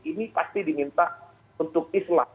ini pasti diminta untuk islam